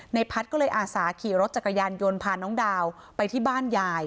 พัฒน์ก็เลยอาสาขี่รถจักรยานยนต์พาน้องดาวไปที่บ้านยาย